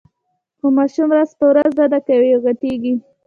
خو ماشوم ورځ په ورځ وده کوي او غټیږي.